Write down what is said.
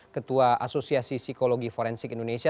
ketua asosiasi psikologi forensik indonesia